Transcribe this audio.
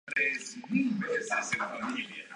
Su primer marido fue Juan Manuel Wolf.